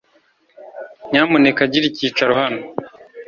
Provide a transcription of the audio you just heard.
Nyamuneka gira icyicaro hano .